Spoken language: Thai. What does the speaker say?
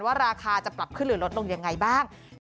ราคาจะปรับขึ้นหรือลดลงยังไงบ้าง